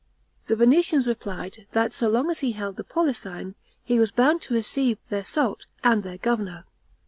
The Venetians replied, that so long as he held the Polesine, he was bound to receive their salt and their governor.